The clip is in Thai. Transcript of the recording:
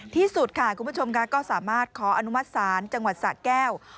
ที่สุดค่ะคุณผู้ชมค่ะก็สามารถขออนุมัติศาลจังหวัดสะแก้ว